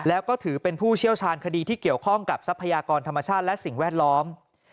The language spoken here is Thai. แล้วก็ถือเป็นผู้เชี่ยวชาญคดีที่เกี่ยวข้องกับทรัพยากรธรรมชาติและสิ่งแวดล้อม